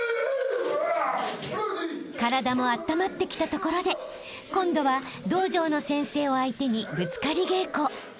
［体もあったまってきたところで今度は道場の先生を相手にぶつかり稽古］